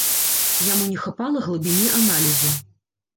Яму не хапала глыбіні аналізу.